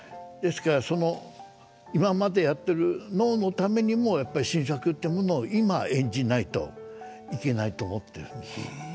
ですからその今までやってる能のためにもやっぱり新作ってものを今演じないといけないと思ってるんです。